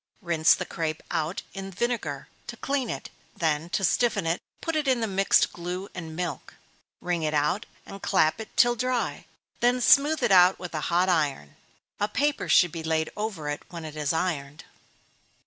Rinse the crape out in vinegar to clean it; then, to stiffen it, put it in the mixed glue and milk. Wring it out, and clap it till dry, then smooth it out with a hot iron a paper should be laid over it when it is ironed.